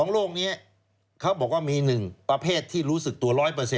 โลกนี้เขาบอกว่ามี๑ประเภทที่รู้สึกตัว๑๐๐